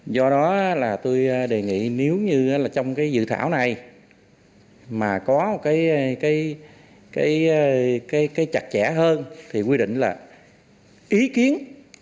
do đó tôi đề nghị nếu như trong dự thảo này mà có một cái chặt chẽ hơn thì quy định là ý kiến